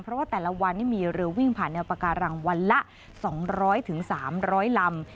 เพราะว่าแต่ละวันนี้มีเรือวิ่งผ่านแนวปาการังวันละ๒๐๐๓๐๐ลำ